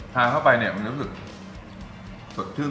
ทานเข้าไปมันจะรู้สึกสดชื่น